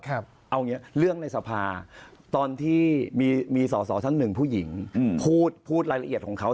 เอาอย่างนี้เรื่องในสภาตอนที่มีสอสอท่านหนึ่งผู้หญิงพูดรายละเอียดของเขา